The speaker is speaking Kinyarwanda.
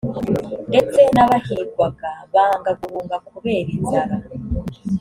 ndetse n abahigwaga banga guhunga kubera inzara